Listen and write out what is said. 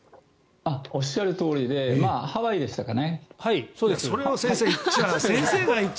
おっしゃるとおりでハワイでしたかね？